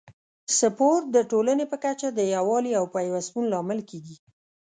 سپورت د ټولنې په کچه د یووالي او پیوستون لامل کیږي.